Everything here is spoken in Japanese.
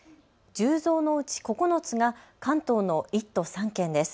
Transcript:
１０増のうち９つが関東の１都３県です。